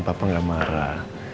papa gak marah